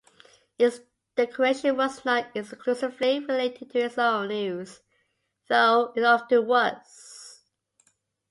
Its decoration was not exclusively related to its own use, though it often was.